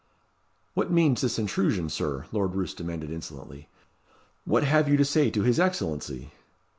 "What means this intrusion, Sir?" Lord Roos demanded insolently. "What have you to say to his Excellency?"